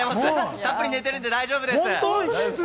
たっぷり寝てるんで、大丈夫です。